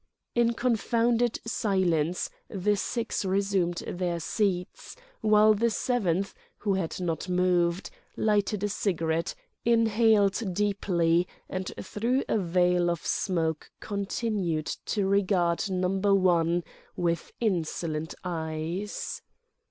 In confounded silence the six resumed their seats, while the seventh—who had not moved—lighted a cigarette, inhaled deeply, and through a veil of smoke continued to regard Number One with insolent eyes.